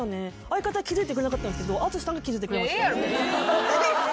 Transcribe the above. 相方気付いてくれなかったですけど淳さんが気付いてくれました。